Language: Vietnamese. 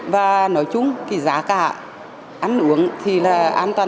và nói chung giá cả ăn uống thì là an toàn thật